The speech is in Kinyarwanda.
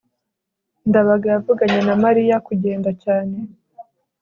ndabaga yavuganye na mariya kugenda cyane